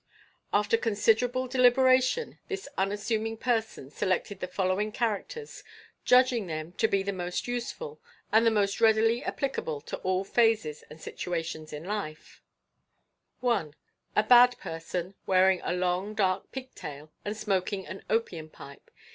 After considerable deliberation, this unassuming person selected the following characters, judging them to be the most useful, and the most readily applicable to all phases and situations of life: 1. A bad person, wearing a long dark pigtail and smoking an opium pipe.